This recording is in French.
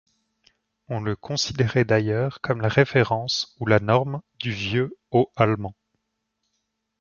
On le considérait d'ailleurs comme la référence ou la norme du vieux haut-allemand.